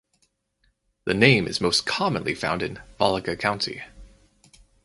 The name is most commonly found in Valga County.